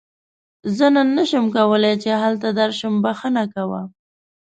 زه نن نشم کولی چې هلته درشم، بښنه کوه.